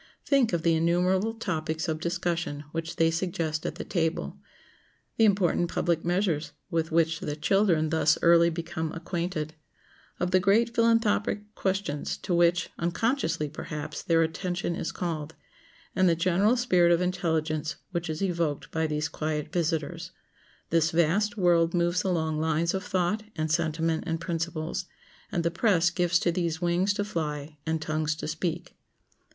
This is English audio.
Think of the innumerable topics of discussion which they suggest at the table; the important public measures with which the children thus early become acquainted; of the great philanthropic questions to which, unconsciously perhaps, their attention is called, and the general spirit of intelligence which is evoked by these quiet visitors. This vast world moves along lines of thought and sentiment and principles, and the press gives to these wings to fly and tongues to speak.